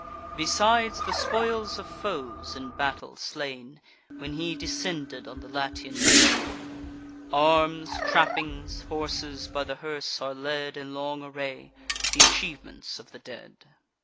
Besides, the spoils of foes in battle slain, When he descended on the Latian plain; Arms, trappings, horses, by the hearse are led In long array—th' achievements of the dead.